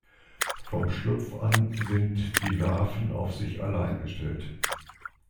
Vom Schlupf an sind die Larven auf sich allein gestellt.